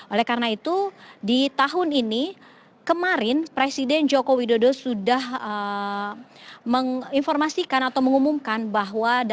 oleh karena itu di tahun ini kemarin presiden joko widodo sudah menginformasikan atau mengumumkan bahwa